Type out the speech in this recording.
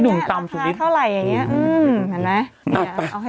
พี่หนุ่มตามสูงนี้ค่ะเท่าไหร่อย่างเงี้ยอืมเห็นไหมเอาให้